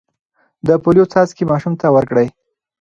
د پولیو څاڅکي ماشوم ته ورکړئ.